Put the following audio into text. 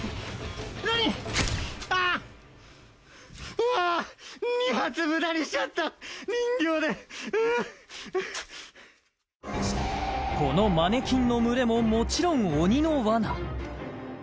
うわー人形でうっこのマネキンの群れももちろん鬼の罠